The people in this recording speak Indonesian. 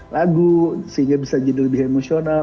lagu sehingga bisa jadi lebih emosional